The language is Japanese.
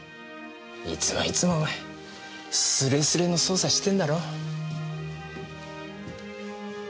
いつもいつもお前すれすれの捜査してんだろ。